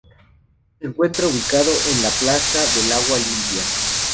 Se encuentra ubicado en la plaza del Agua Limpia.